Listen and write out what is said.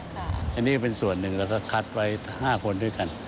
อันนี้ก็เป็นส่วนหนึ่งแล้วก็คัดไว้๕คนด้วยกัน